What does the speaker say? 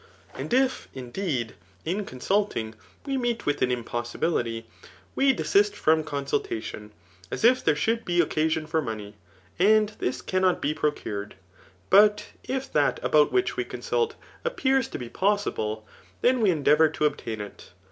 And if indeed in consulting, we meet vntix an impassibility, we desist from consukadon; as if thete dioqld be occasion for money, and this cannot be ^n cved. But if that about whkh we consitk appears M lie possible, then we endeavour to <4>tain it.